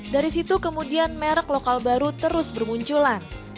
dari situ kemudian merek lokal baru terus bermunculan